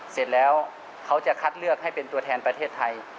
เสร็จแล้วเขาจะคัดเลือกให้เป็นตัวแทนประเทศไทย